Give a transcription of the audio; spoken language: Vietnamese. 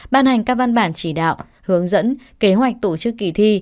ban hành các văn bản chỉ đạo hướng dẫn kế hoạch tổ chức kỳ thi